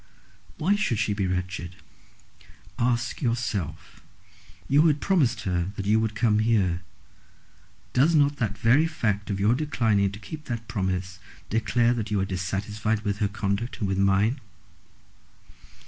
"Why should she be wretched?" "Ask yourself. You had promised her that you would come here. Does not the very fact of your declining to keep that promise declare that you are dissatisfied with her conduct, and with mine?"